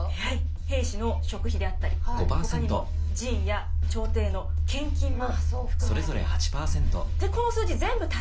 兵士の食費であったりほかにも寺院や朝廷への献金も含まれています。